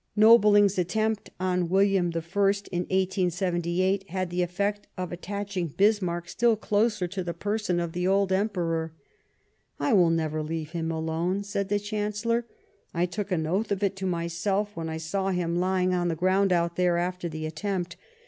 Nobiling's attempt on WilHam I in 1878 had the effect of attaching Bismarck still closer to the person of the old Emperor. " I will never leave him alone," said the Chan cellor. " I took an oath of it to myself when I saw him lying on the ground out there after the at tempt.